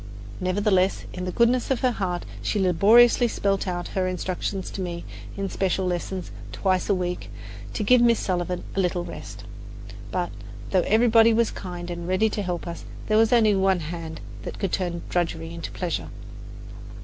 Nevertheless, in the goodness of her heart she laboriously spelled out her instructions to me in special lessons twice a week, to give Miss Sullivan a little rest. But, though everybody was kind and ready to help us, there was only one hand that could turn drudgery into pleasure.